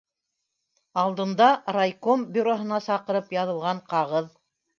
Алдында - райком бюроһына саҡырып яҙылған ҡағыҙ.